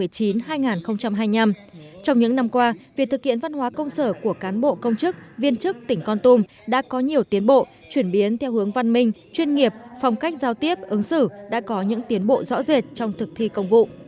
trong những năm qua việc thực hiện văn hóa công sở của cán bộ công chức viên chức tỉnh con tum đã có nhiều tiến bộ chuyển biến theo hướng văn minh chuyên nghiệp phong cách giao tiếp ứng xử đã có những tiến bộ rõ rệt trong thực thi công vụ